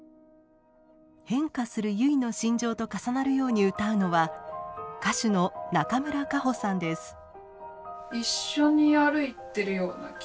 変化する結の心情と重なるように歌うのは歌手の中村佳穂さんです。